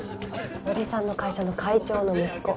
おじさんの会社の会長の息子。